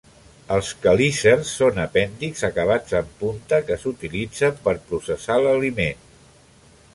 Els quelícers són apèndixs acabats en punta que s'utilitzen per processar l'aliment.